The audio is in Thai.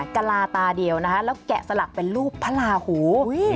กะลาตาเดียวนะคะแล้วแกะสลักเป็นรูปพระลาหู